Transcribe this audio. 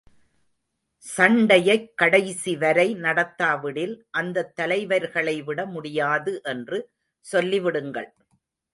சண்டையைக் கடைசி வரை நடத்தாவிடில், அந்தத் தலைவர்களை விட முடியாது என்று சொல்லி விடுங்கள்.